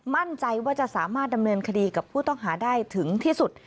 มั่นใจว่าจะสามารถดำเนินคดีกับผู้ต้องหาได้ถึงที่สุด